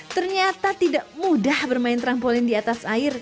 ternyata tidak mudah bermain trampolin di atas air